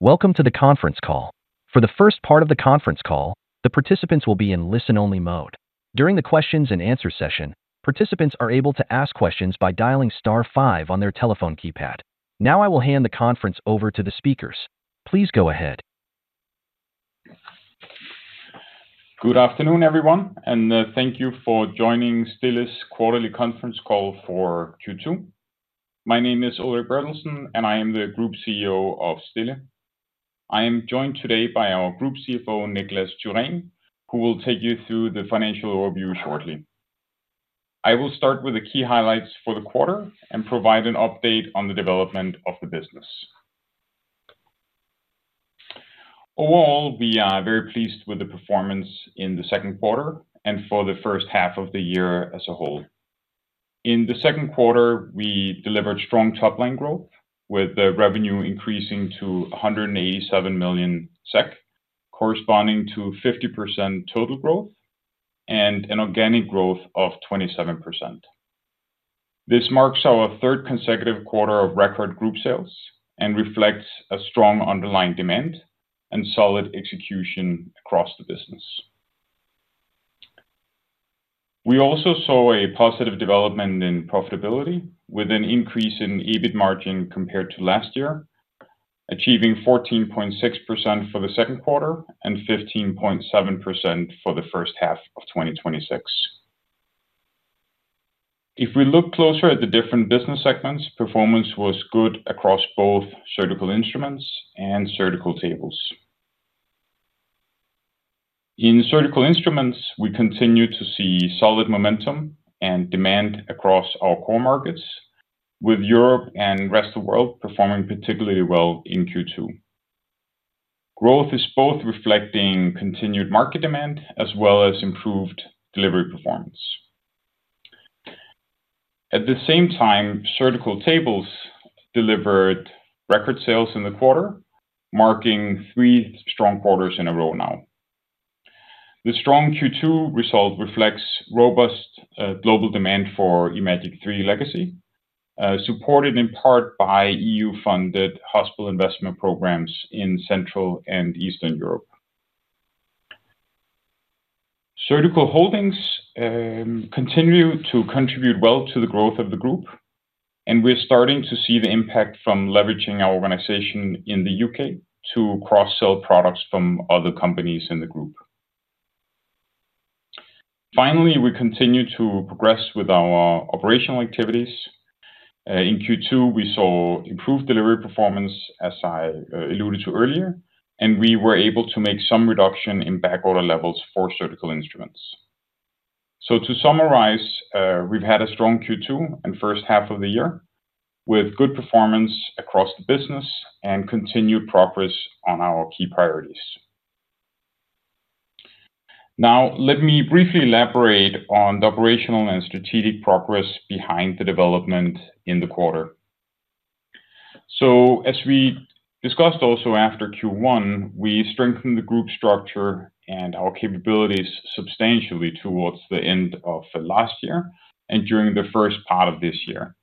Welcome to the conference call. For the first part of the conference call, the participants will be in listen-only mode. During the question-and-answer session, participants are able to ask questions by dialing star five on their telephone keypad. Now, I will hand the conference over to the speakers. Please go ahead. Good afternoon, everyone, and thank you for joining Stille's quarterly conference call for Q2. My name is Ulrik Berthelsen, and I am the Group CEO of Stille. I am joined today by our Group CFO, Niklas Tyrén, who will take you through the financial overview shortly. I will start with the key highlights for the quarter and provide an update on the development of the business. Overall, we are very pleased with the performance in the second quarter and for the first half of the year as a whole. In the second quarter, we delivered strong top-line growth, with the revenue increasing to 187 million SEK, corresponding to 50% total growth and an organic growth of 27%. This marks our third consecutive quarter of record group sales and reflects a strong underlying demand and solid execution across the business. We also saw a positive development in profitability with an increase in EBIT margin compared to last year, achieving 14.6% for the second quarter and 15.7% for the first half of 2026. If we look closer at the different business segments, performance was good across both surgical instruments and surgical tables. In surgical instruments, we continue to see solid momentum and demand across our core markets, with Europe and the rest of the world performing particularly well in Q2. Growth is both reflecting continued market demand as well as improved delivery performance. At the same time, surgical tables delivered record sales in the quarter, marking three strong quarters in a row now. The strong Q2 result reflects robust global demand for imagiQ3 Legacy, supported in part by EU-funded hospital investment programs in Central and Eastern Europe. Surgical Holdings continue to contribute well to the growth of the group, and we're starting to see the impact from leveraging our organization in the U.K. to cross-sell products from other companies in the group. Finally, we continue to progress with our operational activities. In Q2, we saw improved delivery performance, as I alluded to earlier, and we were able to make some reduction in backorder levels for surgical instruments. To summarize, we've had a strong Q2 and first half of the year with good performance across the business and continued progress on our key priorities. Now, let me briefly elaborate on the operational and strategic progress behind the development in the quarter. As we discussed also after Q1, we strengthened the group structure and our capabilities substantially towards the end of last year and during the first part of this year.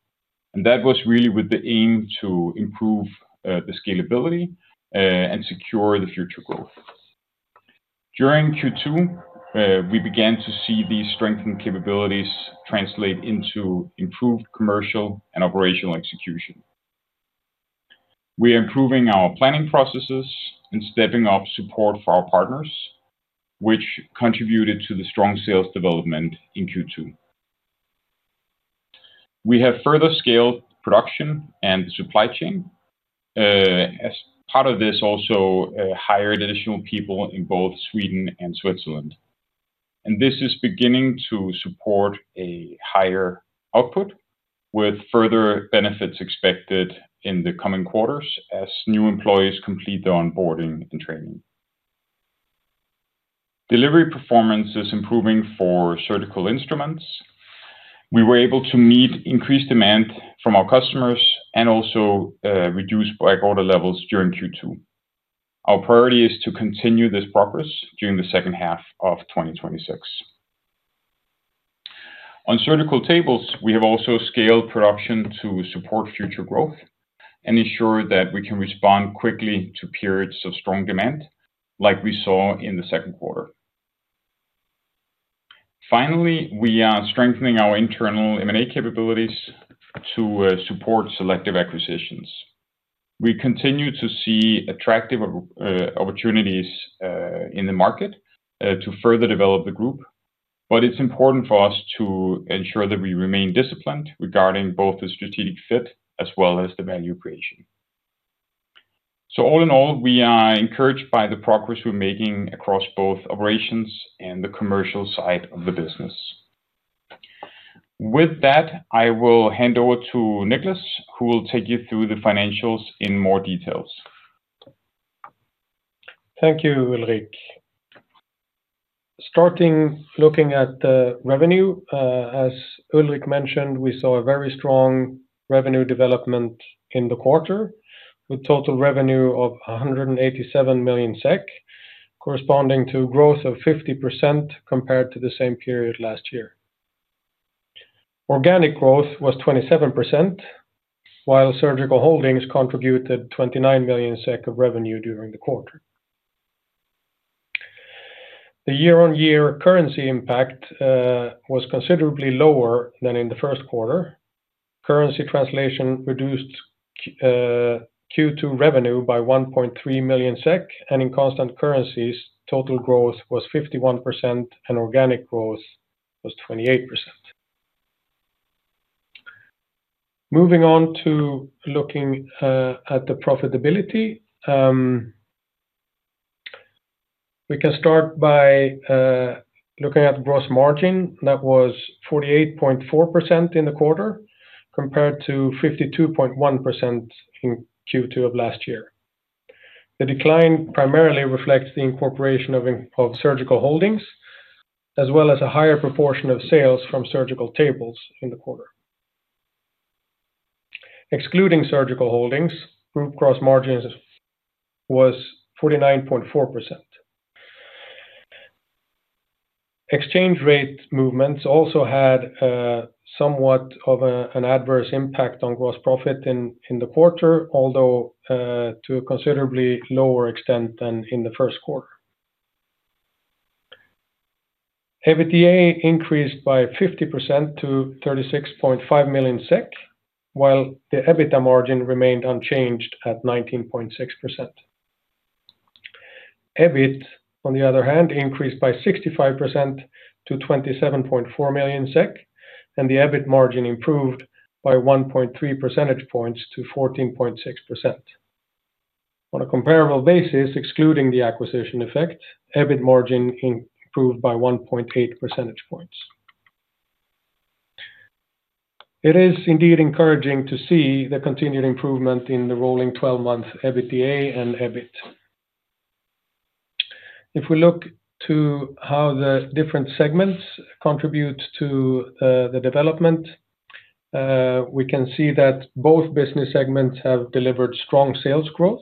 That was really with the aim to improve the scalability and secure the future growth. During Q2, we began to see these strengthened capabilities translate into improved commercial and operational execution. We are improving our planning processes and stepping up support for our partners, which contributed to the strong sales development in Q2. We have further scaled production and the supply chain. As part of this also hired additional people in both Sweden and Switzerland. This is beginning to support a higher output with further benefits expected in the coming quarters as new employees complete their onboarding and training. Delivery performance is improving for surgical instruments. We were able to meet increased demand from our customers and also reduce backorder levels during Q2. Our priority is to continue this progress during the second half of 2026. On surgical tables, we have also scaled production to support future growth and ensure that we can respond quickly to periods of strong demand like we saw in the second quarter. Finally, we are strengthening our internal M&A capabilities to support selective acquisitions. We continue to see attractive opportunities in the market to further develop the group, but it is important for us to ensure that we remain disciplined regarding both the strategic fit as well as the value creation. All in all, we are encouraged by the progress we are making across both operations and the commercial side of the business. With that, I will hand over to Niklas, who will take you through the financials in more details. Thank you, Ulrik. Starting looking at the revenue, as Ulrik mentioned, we saw a very strong revenue development in the quarter with total revenue of 187 million SEK, corresponding to growth of 50% compared to the same period last year. Organic growth was 27%, while Surgical Holdings contributed 29 million SEK of revenue during the quarter. The year-on-year currency impact was considerably lower than in the first quarter. Currency translation reduced Q2 revenue by 1.3 million SEK, and in constant currencies, total growth was 51% and organic growth was 28%. Moving on to looking at the profitability. We can start by looking at gross margin, that was 48.4% in the quarter, compared to 52.1% in Q2 of last year. The decline primarily reflects the incorporation of Surgical Holdings, as well as a higher proportion of sales from surgical tables in the quarter. Excluding Surgical Holdings, group gross margins was 49.4%. Exchange rate movements also had somewhat of an adverse impact on gross profit in the quarter, although to a considerably lower extent than in the first quarter. EBITDA increased by 50% to 36.5 million SEK, while the EBITDA margin remained unchanged at 19.6%. EBIT, on the other hand, increased by 65% to 27.4 million SEK, and the EBIT margin improved by 1.3 percentage points to 14.6%. On a comparable basis, excluding the acquisition effect, EBIT margin improved by 1.8 percentage points. It is indeed encouraging to see the continued improvement in the rolling 12-month EBITDA and EBIT. If we look to how the different segments contribute to the development, we can see that both business segments have delivered strong sales growth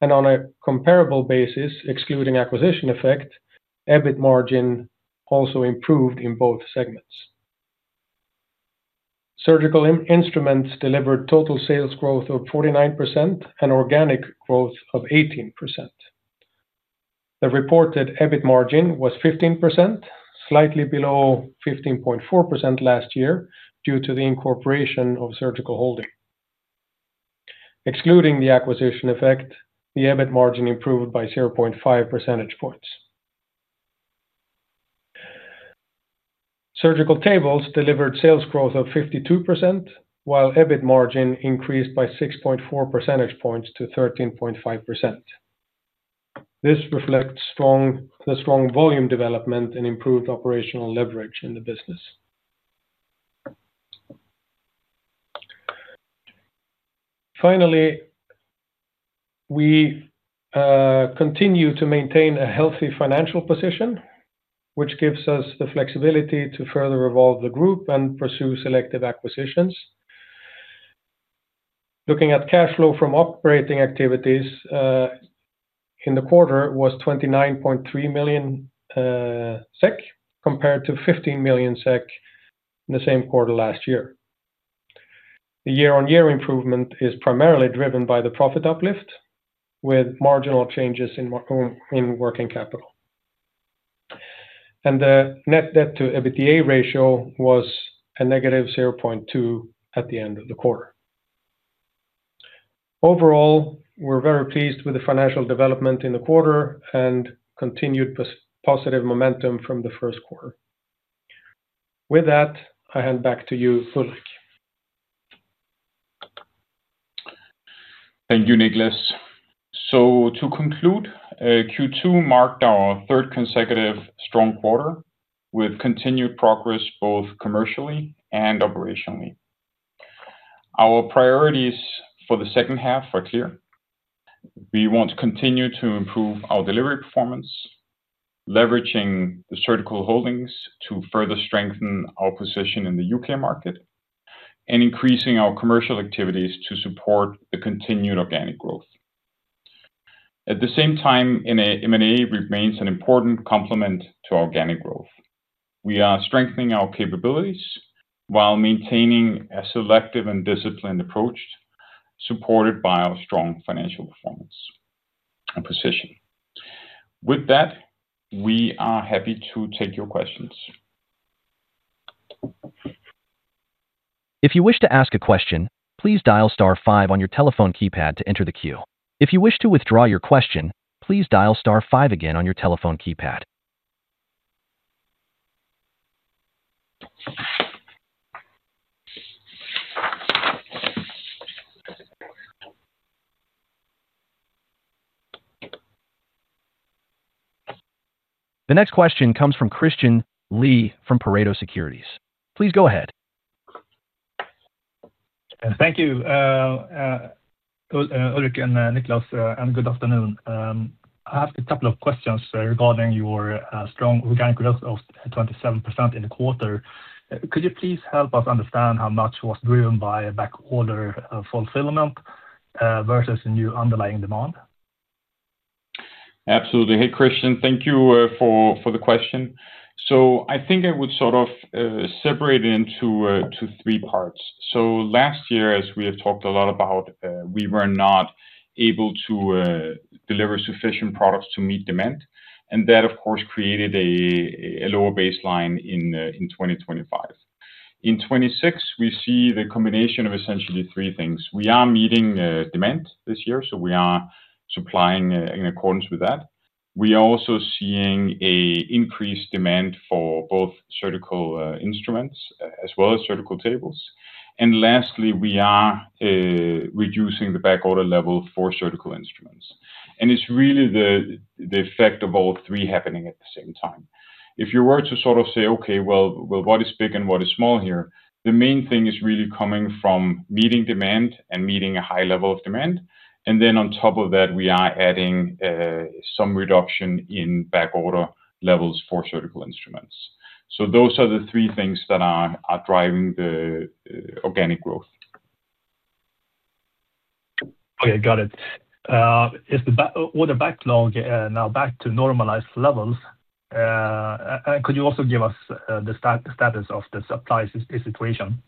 and on a comparable basis, excluding acquisition effect, EBIT margin also improved in both segments. Surgical Instruments delivered total sales growth of 49% and organic growth of 18%. The reported EBIT margin was 15%, slightly below 15.4% last year, due to the incorporation of Surgical Holdings. Excluding the acquisition effect, the EBIT margin improved by 0.5 percentage points. Surgical Tables delivered sales growth of 52%, while EBIT margin increased by 6.4 percentage points to 13.5%. This reflects the strong volume development and improved operational leverage in the business. We continue to maintain a healthy financial position, which gives us the flexibility to further evolve the group and pursue selective acquisitions. Looking at cash flow from operating activities, in the quarter was 29.3 million SEK compared to 15 million SEK in the same quarter last year. The year-on-year improvement is primarily driven by the profit uplift, with marginal changes in working capital. The net debt to EBITDA ratio was -0.2x at the end of the quarter. Overall, we're very pleased with the financial development in the quarter and continued positive momentum from the first quarter. With that, I hand back to you, Ulrik. Thank you, Niklas. To conclude, Q2 marked our third consecutive strong quarter with continued progress both commercially and operationally. Our priorities for the second half are clear. We want to continue to improve our delivery performance, leveraging the Surgical Holdings to further strengthen our position in the U.K. market and increasing our commercial activities to support the continued organic growth. At the same time, M&A remains an important complement to organic growth. We are strengthening our capabilities while maintaining a selective and disciplined approach, supported by our strong financial performance and position. With that, we are happy to take your questions. If you wish to ask a question, please dial star five on your telephone keypad to enter the queue. If you wish to withdraw your question, please dial star five again on your telephone keypad. The next question comes from Christian Lee from Pareto Securities. Please go ahead. Thank you, Ulrik and Niklas, and good afternoon. I have a couple of questions regarding your strong organic growth of 27% in the quarter. Could you please help us understand how much was driven by a backorder fulfillment versus new underlying demand? Absolutely. Hey, Christian. Thank you for the question. I think I would separate it into three parts. Last year, as we have talked a lot about, we were not able to deliver sufficient products to meet demand. That, of course, created a lower baseline in 2025. In 2026, we see the combination of essentially three things. We are meeting demand this year, so we are supplying in accordance with that. We are also seeing increased demand for both surgical instruments as well as surgical tables. Lastly, we are reducing the backorder level for surgical instruments. It's really the effect of all three happening at the same time. If you were to say, "Okay, well, what is big and what is small here?" The main thing is really coming from meeting demand and meeting a high level of demand. Then on top of that, we are adding some reduction in backorder levels for surgical instruments. Those are the three things that are driving the organic growth. Okay, got it. Is the order backlog now back to normalized levels? Could you also give us the status of the supply situation?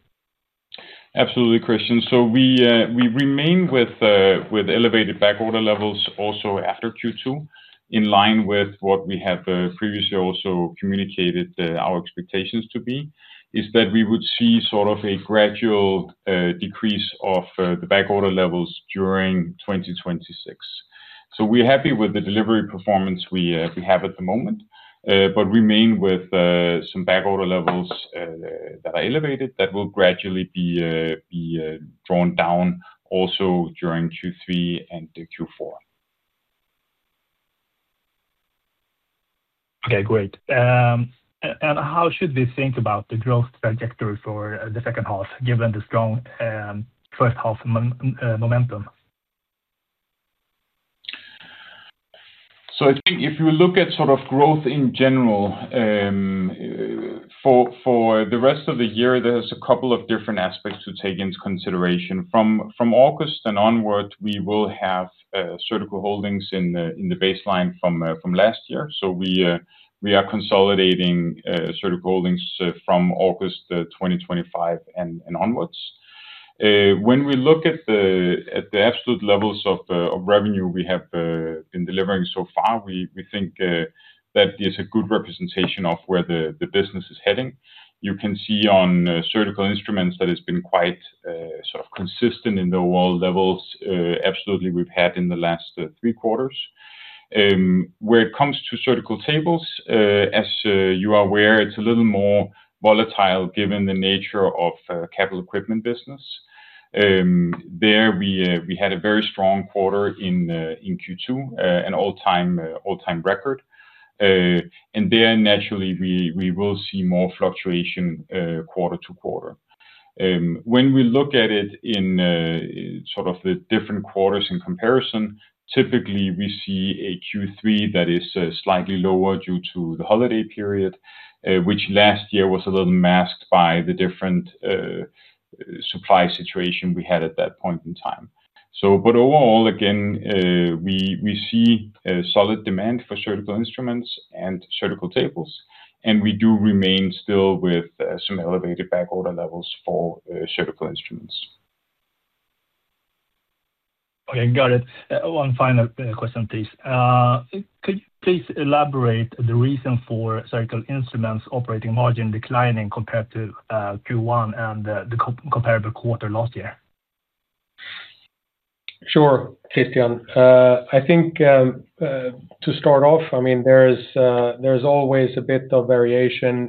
Absolutely, Christian. We remain with elevated backorder levels also after Q2, in line with what we have previously also communicated our expectations to be, is that we would see a gradual decrease of the backorder levels during 2026. We are happy with the delivery performance we have at the moment, but remain with some backorder levels that are elevated that will gradually be drawn down also during Q3 and to Q4. Okay, great. How should we think about the growth trajectory for the second half, given the strong first half momentum? I think if you look at growth in general, for the rest of the year, there is a couple of different aspects to take into consideration. From August and onwards, we will have Surgical Holdings in the baseline from last year. We are consolidating Surgical Holdings from August 2025 and onwards. When we look at the absolute levels of revenue we have been delivering so far, we think that is a good representation of where the business is heading. You can see on surgical instruments that it has been quite consistent in the overall levels absolutely we have had in the last three quarters. Where it comes to surgical tables, as you are aware, it is a little more volatile given the nature of capital equipment business. There, we had a very strong quarter in Q2, an all-time record. There, naturally, we will see more fluctuation quarter-to-quarter. When we look at it in the different quarters in comparison, typically we see a Q3 that is slightly lower due to the holiday period, which last year was a little masked by the different supply situation we had at that point in time. Overall, again, we see a solid demand for surgical instruments and surgical tables, and we do remain still with some elevated backorder levels for surgical instruments. Okay, got it. One final question, please. Could you please elaborate the reason for surgical instruments operating margin declining compared to Q1 and the comparable quarter last year? Sure, Christian. I think to start off, there's always a bit of variation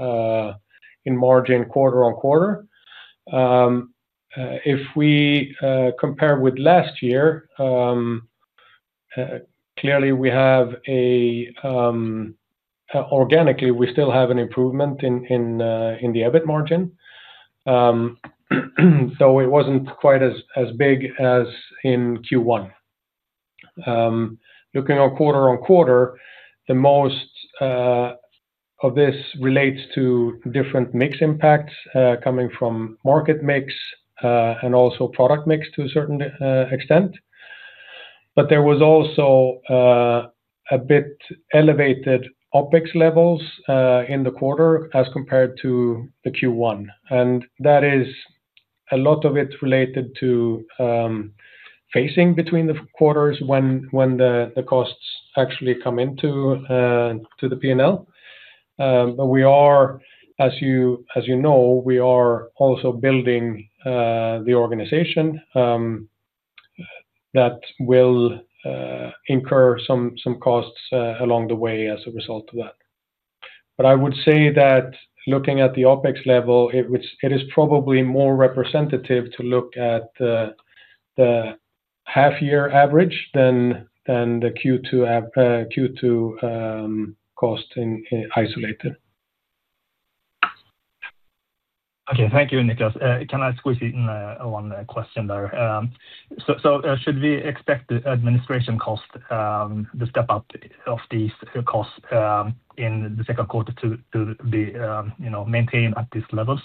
in margin quarter-on-quarter. If we compare with last year, clearly organically, we still have an improvement in the EBIT margin. Though it wasn't quite as big as in Q1. Looking on quarter-on-quarter, the most of this relates to different mix impacts coming from market mix, and also product mix to a certain extent. There was also a bit elevated OpEx levels in the quarter as compared to the Q1, and a lot of it related to phasing between the quarters when the costs actually come into the P&L. As you know, we are also building the organization that will incur some costs along the way as a result of that. I would say that looking at the OpEx level, it is probably more representative to look at the half-year average than the Q2 cost isolated. Okay. Thank you, Niklas. Can I squeeze in one question there? Should we expect the administration cost, the step-up of these costs in the second quarter to maintain at these levels?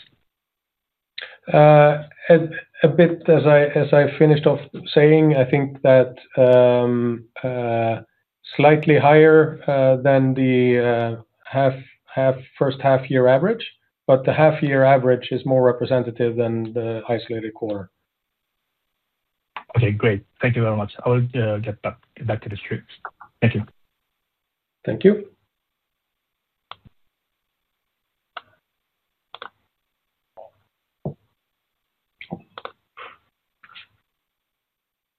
A bit as I finished off saying, I think that slightly higher than the first half-year average, but the half-year average is more representative than the isolated quarter. Okay, great. Thank you very much, I will get back to the streams. Thank you.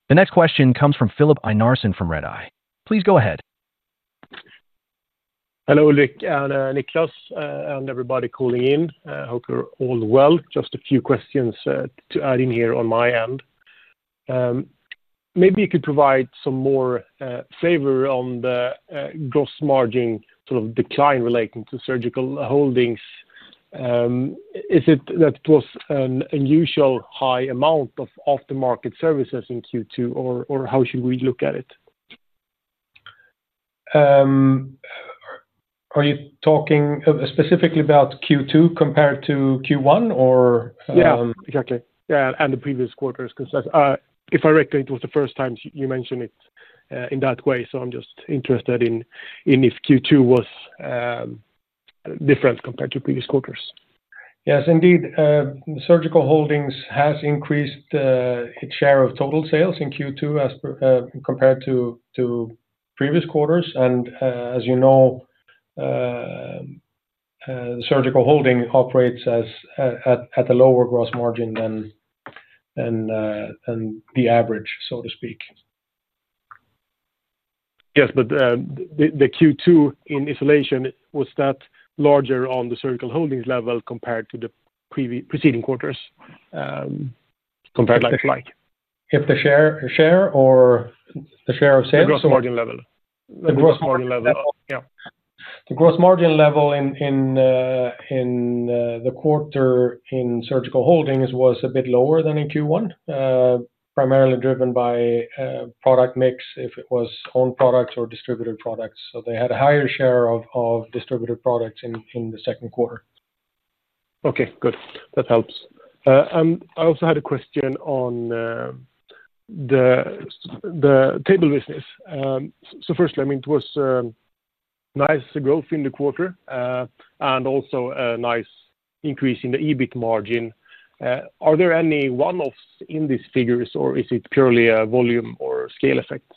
The next question comes from Filip Einarsson from Redeye. Please go ahead. Hello, Ulrik and Niklas, and everybody calling in. Hope you're all well. Just a few questions to add in here on my end. Maybe you could provide some more flavor on the gross margin decline relating to Surgical Holdings? Is it that it was an unusual high amount of aftermarket services in Q2, or how should we look at it? Are you talking specifically about Q2 compared to Q1 or? Yeah, exactly. The previous quarters, because if I recall, it was the first time you mentioned it in that way. I'm just interested in if Q2 was different compared to previous quarters. Yes, indeed. Surgical Holdings has increased its share of total sales in Q2 compared to previous quarters. As you know, Surgical Holdings operates at a lower gross margin than the average, so to speak. Yes, the Q2 in isolation, was that larger on the Surgical Holdings level compared to the preceding quarters, compared like? If the share or the share of sales? The gross margin level. The gross margin level? Yeah. The gross margin level in the quarter in Surgical Holdings was a bit lower than in Q1, primarily driven by product mix, if it was own products or distributed products. They had a higher share of distributed products in the second quarter. Okay, good. That helps. I also had a question on the table business. Firstly, it was nice growth in the quarter, and also a nice increase in the EBIT margin. Are there any one-offs in these figures, or is it purely a volume or scale effect?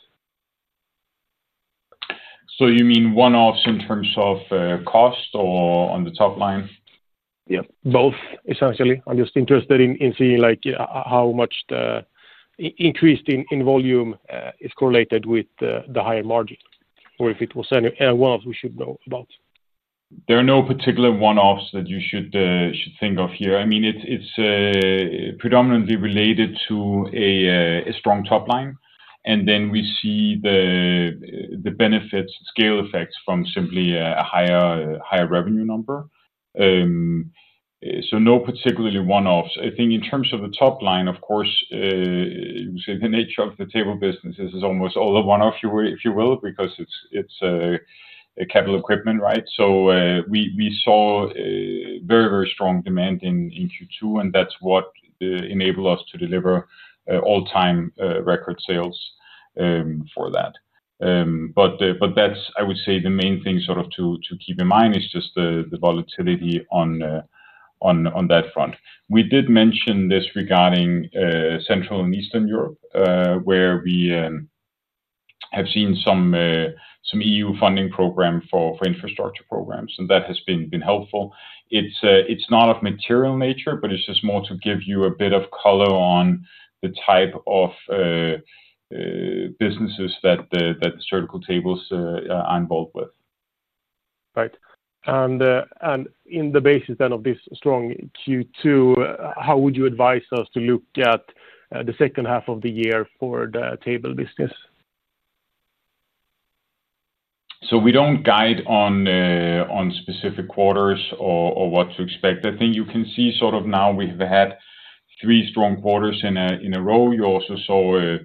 You mean one-offs in terms of cost or on the top line? Yeah, both, essentially. I'm just interested in seeing how much the increase in volume is correlated with the higher margin, or if it was any one-offs we should know about. There are no particular one-offs that you should think of here. It's predominantly related to a strong top line. We see the benefits scale effects from simply a higher revenue number. No particular one-offs. I think in terms of the top line, of course, the nature of the table business, this is almost all a one-off, if you will, because it's a capital equipment, right? We saw very strong demand in Q2, and that's what enabled us to deliver all-time record sales for that. That's, I would say, the main thing to keep in mind is just the volatility on that front. We did mention this regarding Central and Eastern Europe, where we have seen some EU funding program for infrastructure programs, and that has been helpful. It's not of material nature. It's just more to give you a bit of color on the type of businesses that the surgical tables are involved with. Right. In the basis then of this strong Q2, how would you advise us to look at the second half of the year for the table business? We don't guide on specific quarters or what to expect. I think you can see now we've had three strong quarters in a row. You also saw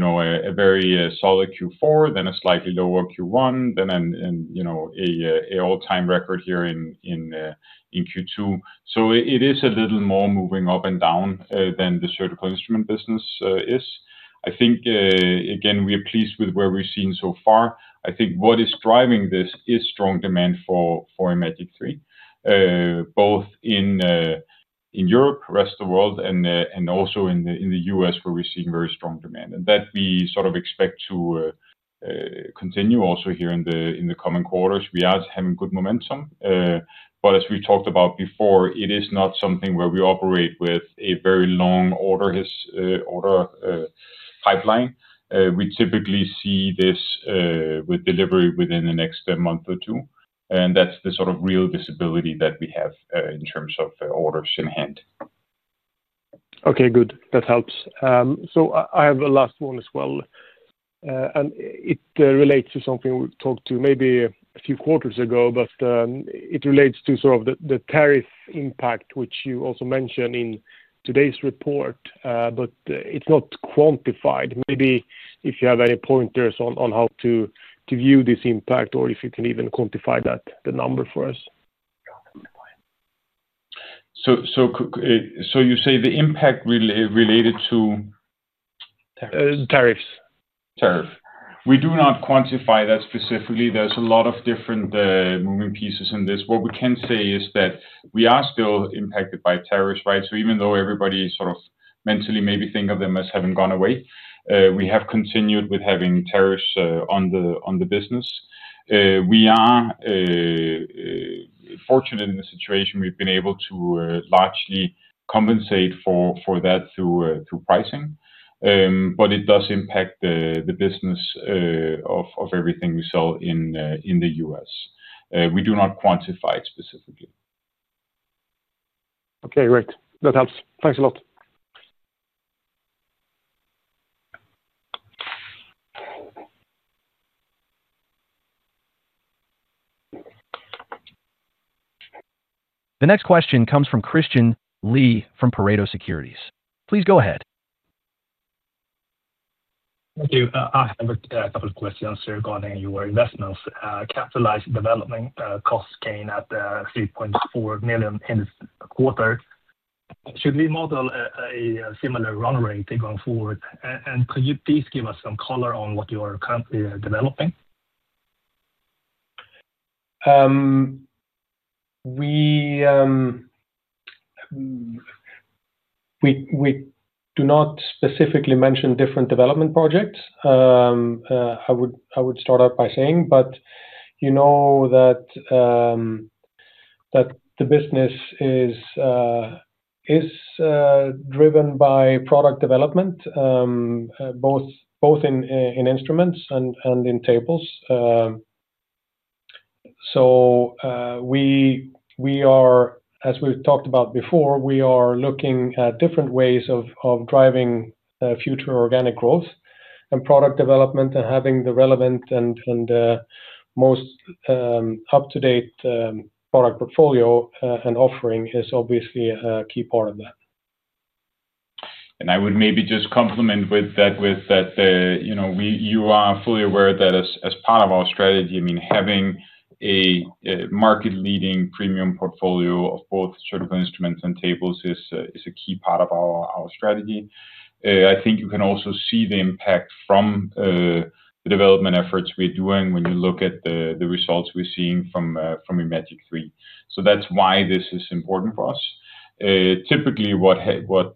a very solid Q4, a slightly lower Q1, an all-time record here in Q2. It is a little more moving up and down than the surgical instrument business is. I think, again, we are pleased with where we're seeing so far. I think what is driving this is strong demand for imagiQ3, both in Europe, rest of the world, and also in the U.S., where we're seeing very strong demand. That we expect to continue also here in the coming quarters, we are having good momentum. As we talked about before, it is not something where we operate with a very long order pipeline. We typically see this with delivery within the next month or two, and that's the real visibility that we have in terms of orders in hand. Okay, good. That helps. I have a last one as well, and it relates to something we talked to maybe a few quarters ago, but it relates to the tariff impact, which you also mentioned in today's report, but it's not quantified. Maybe if you have any pointers on how to view this impact or if you can even quantify the number for us? You say the impact related to? Tariffs. Tariff? We do not quantify that specifically. There's a lot of different moving pieces in this. What we can say is that we are still impacted by tariffs. Even though everybody sort of mentally maybe think of them as having gone away, we have continued with having tariffs on the business. We are fortunate in the situation we've been able to largely compensate for that through pricing. It does impact the business of everything we sell in the U.S. We do not quantify it specifically. Okay, great. That helps, thanks a lot. The next question comes from Christian Lee from Pareto Securities. Please go ahead. Thank you. I have a couple of questions regarding your investments. Capitalized development costs came at 3.4 million in this quarter. Should we model a similar run rate going forward? Could you please give us some color on what you are currently developing? We do not specifically mention different development projects, I would start out by saying. You know that the business is driven by product development both in instruments and in tables. As we've talked about before, we are looking at different ways of driving future organic growth and product development and having the relevant and most up-to-date product portfolio and offering is obviously a key part of that. I would maybe just complement with that, you are fully aware that as part of our strategy, having a market leading premium portfolio of both surgical instruments and tables is a key part of our strategy. I think you can also see the impact from the development efforts we're doing when you look at the results we're seeing from imagiQ3. That's why this is important for us. Typically, what happens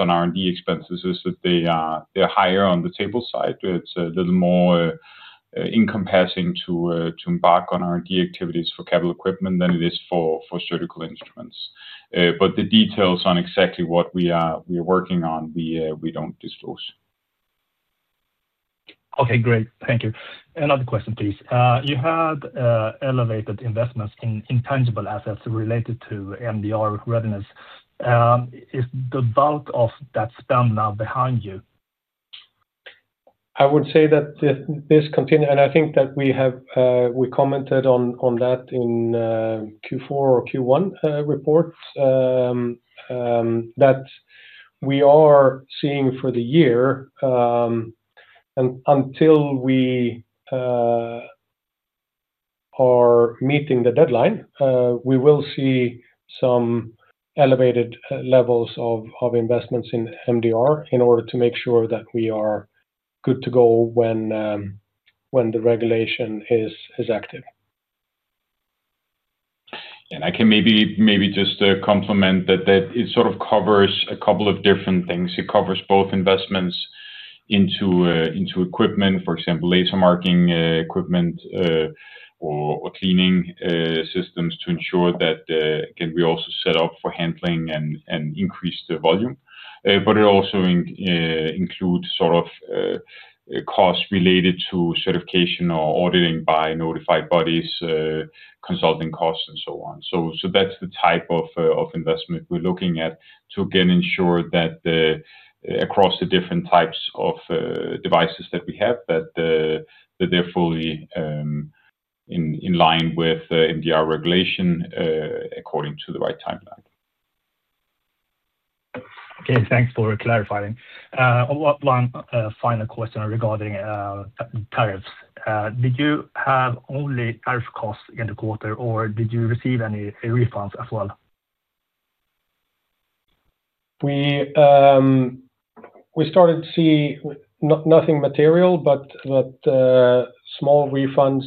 on R&D expenses is that they're higher on the table side. It's a little more encompassing to embark on R&D activities for capital equipment than it is for surgical instruments. The details on exactly what we are working on, we don't disclose. Okay, great. Thank you. Another question, please. You had elevated investments in intangible assets related to MDR readiness. Is the bulk of that spend now behind you? I would say that this continue, I think that we commented on that in Q4 or Q1 reports, that we are seeing for the year. Until we are meeting the deadline, we will see some elevated levels of investments in MDR in order to make sure that we are good to go when the regulation is active. I can maybe just complement that it sort of covers a couple of different things. It covers both investments into equipment, for example, laser marking equipment or cleaning systems to ensure that, again, we also set up for handling and increase the volume. It also includes sort of costs related to certification or auditing by notified bodies, consulting costs and so on. That's the type of investment we're looking at to again ensure that across the different types of devices that we have, that they're fully in line with the MDR regulation according to the right timeline. Okay, thanks for clarifying. One final question regarding tariffs. Did you have only tariff costs in the quarter, or did you receive any refunds as well? We started to see nothing material, but small refunds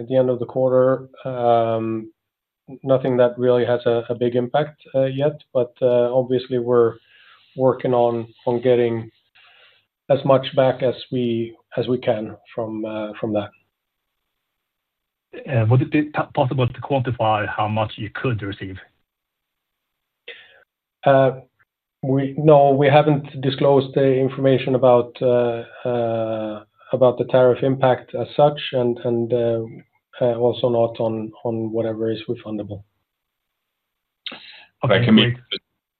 at the end of the quarter. Nothing that really has a big impact yet, but obviously we're working on getting as much back as we can from that. Would it be possible to quantify how much you could receive? No, we haven't disclosed the information about the tariff impact as such, and also not on whatever is refundable. If I can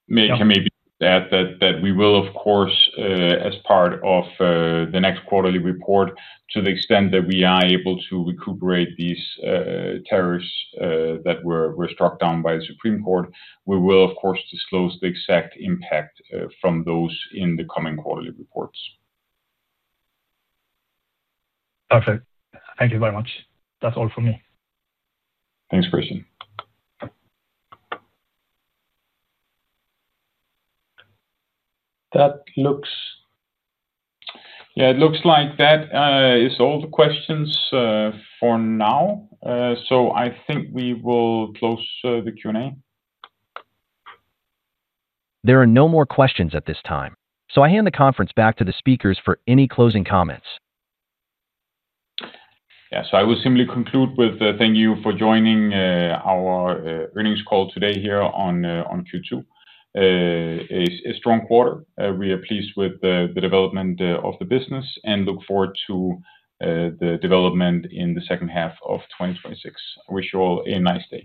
maybe add that we will, of course, as part of the next quarterly report, to the extent that we are able to recuperate these tariffs that were struck down by the Supreme Court, we will, of course, disclose the exact impact from those in the coming quarterly reports. Perfect. Thank you very much, that's all from me. Thanks, Christian. Yeah, it looks like that is all the questions for now. I think we will close the Q&A. There are no more questions at this time. I hand the conference back to the speakers for any closing comments. Yeah, I will simply conclude with thank you for joining our earnings call today here on Q2. A strong quarter, we are pleased with the development of the business and look forward to the development in the second half of 2026. I wish you all a nice day.